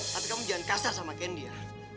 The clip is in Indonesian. tapi kamu jangan kasar sama candy ya